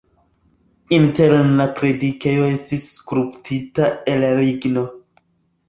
Interne la predikejo estis skulptita el ligno.